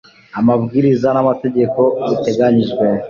amabwiriza n amategeko biteganyijwe